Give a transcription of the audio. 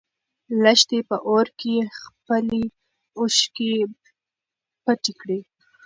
لښتې په اور کې خپلې اوښکې پټې کړې.